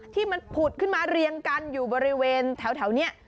ที่มันผุดขึ้นมาเรียงกันอยู่บริเวณแถวนี้